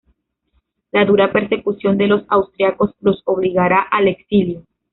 La dura persecución de los austríacos los obligará al exilio.